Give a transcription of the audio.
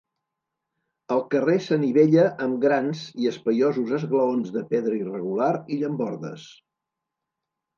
El carrer s'anivella amb grans i espaiosos esglaons de pedra irregular i llambordes.